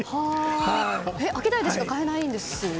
アキダイでしか買えないんですよね。